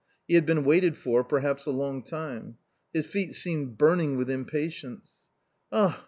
He had been waited for perhaps a long time. His feet seemed burning with impatience. " Ah